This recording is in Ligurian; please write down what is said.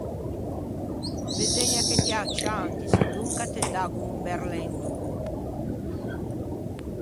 Beseugna che ti â cianti, sedonca te daggo un berlendon.